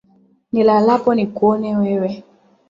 Nilalapo nikuone wewe